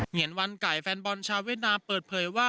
เหยียนวันไก่แฟนบอลชาวเวียดนามเปิดเผยว่า